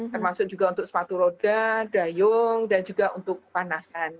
termasuk juga untuk sepatu roda dayung dan juga untuk panasan